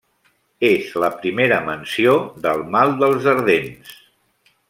És la primera menció del mal dels ardents.